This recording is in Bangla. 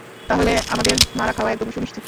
তাহলে, আমাদের মারা খাওয়া একদম সুনিশ্চিত।